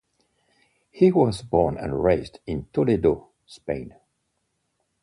He was born and raised in Toledo, Spain.